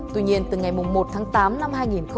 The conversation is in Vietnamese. tuy nhiên từ ngày một tháng tám năm hai nghìn hai mươi